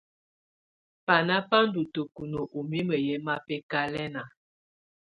Banà bà ndù tǝkunǝ ù mimǝ yɛ̀ mabɛkalɛna.